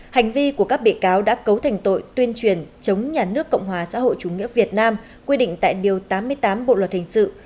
hành vi của các bị cáo đã cấu thành tội tuyên truyền chống nhà nước cộng hòa xã hội chủ nghĩa việt nam quy định tại điều tám mươi tám bộ luật hình sự